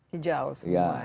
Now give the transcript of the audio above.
hijau semua ya